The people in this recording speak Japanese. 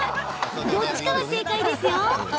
どっちかは正解ですよ！